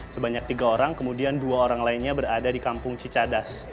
sebanyak tiga orang kemudian dua orang lainnya berada di kampung cicadas